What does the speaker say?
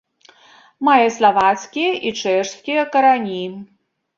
Мае славацкія і чэшскія карані.